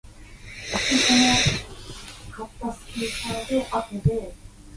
Opera Garden is the Aberdeen International Youth Festival's Opera Project.